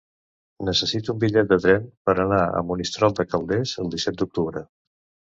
Necessito un bitllet de tren per anar a Monistrol de Calders el disset d'octubre.